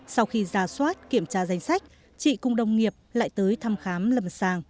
sau khi ra soát kiểm tra danh sách chị cùng đồng nghiệp lại tới thăm khám lầm sàng